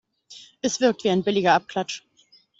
Es wirkt wie ein billiger Abklatsch.